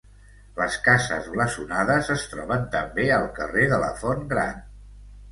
Les cases blasonades es troben també al carrer de la Font Gran.